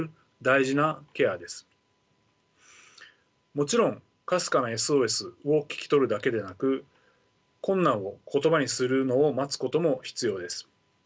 もちろんかすかなＳＯＳを聞き取るだけでなく困難を言葉にするのを待つことも必要です。